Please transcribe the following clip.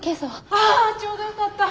ああちょうどよかった！